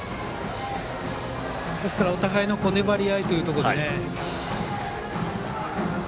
ですからお互いの粘り合いというので。